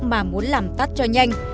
mà muốn làm tắt cho nhanh